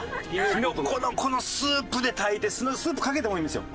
きのこのこのスープで炊いてそのままスープをかけてもいいんですよ。